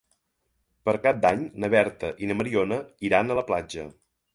Per Cap d'Any na Berta i na Mariona iran a la platja.